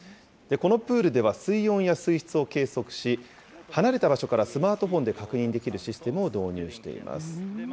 このプールでは水温や水質を計測し、離れた場所からスマートフォンで確認できるシステムを導入しています。